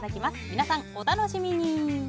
皆さんお楽しみに。